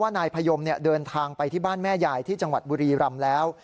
นายพยมเดินทางไปที่บ้านแม่ยายที่จังหวัดบุรีรำแล้ว